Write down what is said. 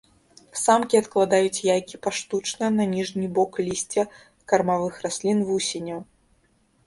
Самкі адкладаюць яйкі паштучна на ніжні бок лісця кармавых раслін вусеняў.